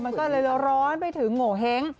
มันร้อนไปถึงโหงเท่ง